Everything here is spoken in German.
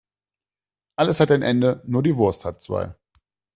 Alles hat ein Ende, nur die Wurst hat zwei.